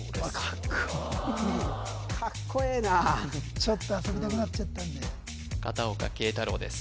カッコいいカッコええなちょっと遊びたくなっちゃったんで片岡桂太郎です